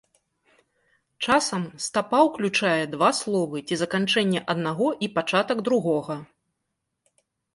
Часам стапа ўключае два словы ці заканчэнне аднаго і пачатак другога.